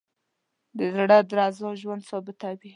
د زړه درزا ژوند ثابتوي.